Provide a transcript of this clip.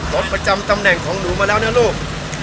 ประจำตำแหน่งของหนูมาแล้วนะลูก